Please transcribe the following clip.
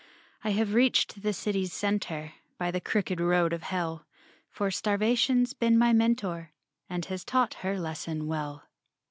I have reached the city's center By the crooked road of Hell, For Starvation's been my mentor And has taught her lesson well.